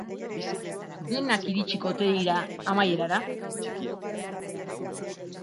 Denak iritsiko ote dira amaierara?